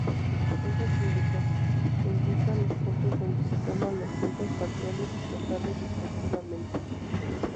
Estas indican los puntos donde se toman los tiempos parciales y totales, respectivamente.